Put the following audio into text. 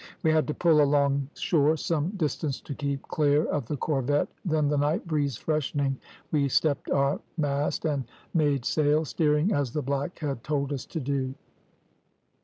We had to pull along shore some distance to keep clear of the corvette, then the night breeze freshening we stepped our mast and made sail, steering as the black had told us to do.